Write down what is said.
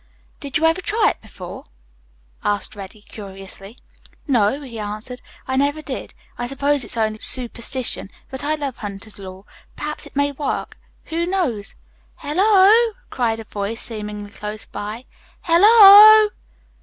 "Did you ever try it before," asked Reddy curiously. "No," he answered, "I never did. I suppose it's only superstition, but I love hunter's lore. Perhaps it may work. Who knows?" "Hello o o!" cried a voice seemingly close by. "Hello o o!"